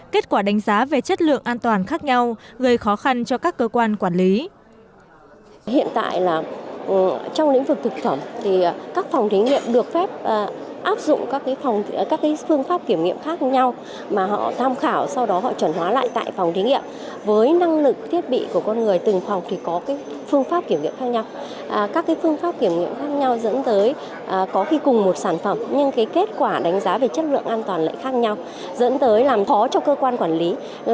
kết quả đánh giá về chất lượng an toàn khác nhau gây khó khăn cho các cơ quan quản lý